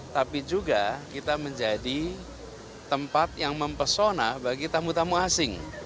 tapi juga kita menjadi tempat yang mempesona bagi tamu tamu asing